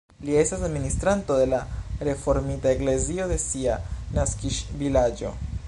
Li estas administranto de la reformita eklezio de sia naskiĝvilaĝo.